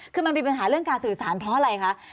คือมันมีปัญหาเรื่องการสื่อสารเพราะอะไรคะ